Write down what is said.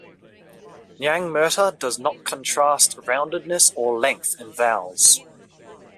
Nyangmurta does not contrast roundedness or length in vowels.